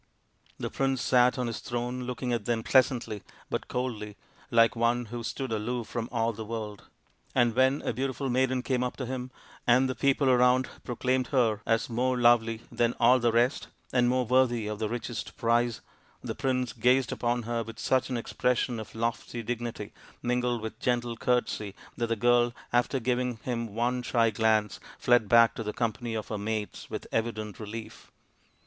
The prince sat on his throne looking at them pleasantly but coldly, like one who stood aloof from all the world ; and when a beautiful maiden came up to him, and the people around proclaimed her as more lovely than all the rest and more worthy of the richest prize, the prince gazed upon her with such an expression of lofty dignity mingled with gentle courtesy that the girl, after giving him one shy glance, fled back to the company of her mates with evident relief.